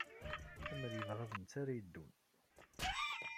Amer yebɣa d netta ara yeddun.